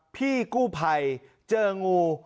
พี่กู้ภัยเจองู